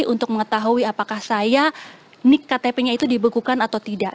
untuk mengetahui apakah saya nik ktp nya itu dibekukan atau tidak